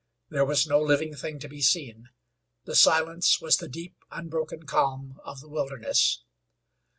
There was no living thing to be seen; the silence was the deep, unbroken calm of the wilderness.